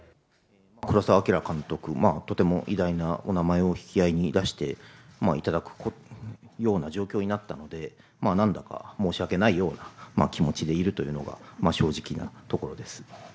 黒澤明監督、とても偉大なお名前を引き合いに出していただくような状況になったので、なんだか申し訳ないような気持ちでいるというのが、正直なところです。